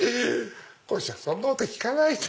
そんなこと聞かないで！